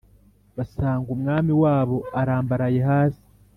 basanga umwami wabo arambaraye hasi